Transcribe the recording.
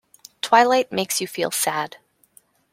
Twilight makes you feel sad.